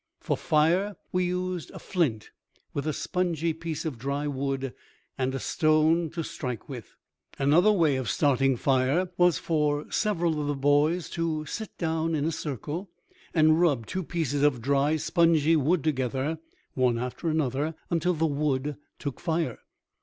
For fire we used a flint with a spongy piece of dry wood and a stone to strike with. Another way of starting fire was for several of the boys to sit down in a circle and rub two pieces of dry, spongy wood together, one after another, until the wood took fire.